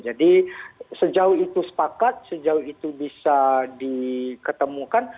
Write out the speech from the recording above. jadi sejauh itu sepakat sejauh itu bisa diketemukan